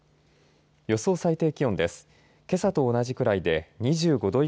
予想最低気温です。